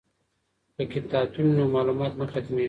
که کتابتون وي نو معلومات نه ختمیږي.